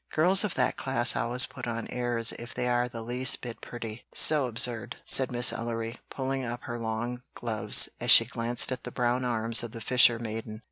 "Girls of that class always put on airs if they are the least bit pretty, so absurd!" said Miss Ellery, pulling up her long gloves as she glanced at the brown arms of the fisher maiden.